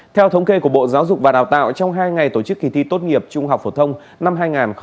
theo thống kê của bộ giáo dục và đào tạo trong hai ngày tổ chức kỳ thi tốt nghiệp trung học phổ thông năm hai nghìn hai mươi